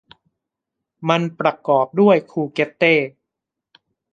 มันประกอบด้วยคูเกตเต้